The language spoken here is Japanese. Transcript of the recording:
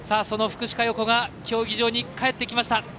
その福士加代子が競技場に帰ってきました。